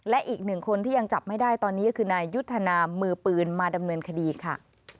และอีกหนึ่งคนที่ยังจับไม่ได้ตอนนี้ก็คือนายยุทธนามมือปืนมาดำเนินคดีค่ะ